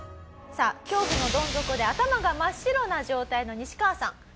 さあ恐怖のどん底で頭が真っ白な状態のニシカワさん。